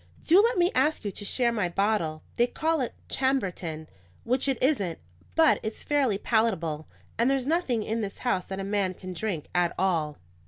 "Do let me ask you to share my bottle. They call it Chambertin, which it isn't; but it's fairly palatable, and there's nothing in this house that a man can drink at all."